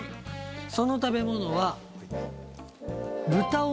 その食べ物は。